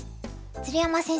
鶴山先生